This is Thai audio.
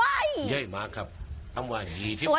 เย้มาครับอำว่า๒๐วัน